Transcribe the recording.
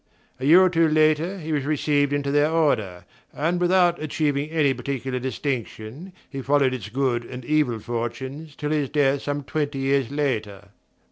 A year or two later he was received into their Order, and without achieving any particular distinction he followed its good and evil fortunes till his death some twenty years later.